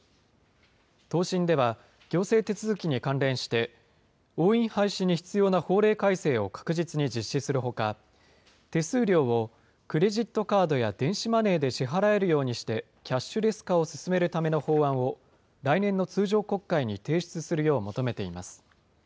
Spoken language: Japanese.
答申では行政手続きに関連して、押印廃止に必要な法令改正を確実に実施するほか、手数料をクレジットカードや電子マネーで支払えるようにしてキャッシュレス化を進めるための法案を、来年の通常国会に提出するよう求めています。